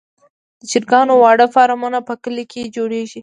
د چرګانو واړه فارمونه په کليو کې جوړیږي.